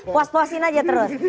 puas puasin aja terus